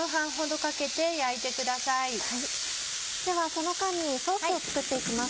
その間にソースを作って行きます。